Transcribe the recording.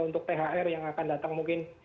untuk thr yang akan datang mungkin